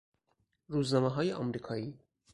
روزنامههای امریکایی